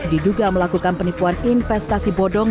diduga melakukan penipuan investasi bodong